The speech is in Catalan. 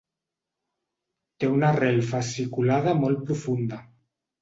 Té una rel fasciculada molt profunda.